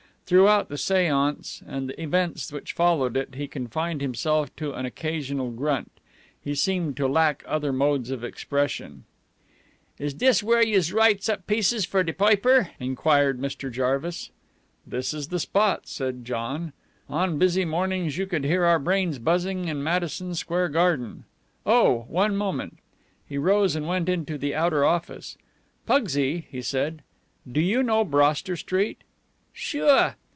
Throughout the seance and the events which followed it he confined himself to an occasional grunt. He seemed to lack other modes of expression. "Is dis where youse writes up pieces fer de poiper?" enquired Mr. Jarvis. "This is the spot," said John. "On busy mornings you could hear our brains buzzing in Madison Square Garden. Oh, one moment." He rose and went into the outer office. "Pugsy," he said, "do you know Broster Street?" "Sure."